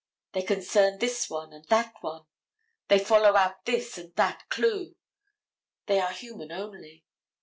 They concern this one and that one. They follow out this and that clew. They are human only.